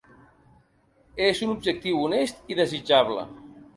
És un objectiu honest i desitjable.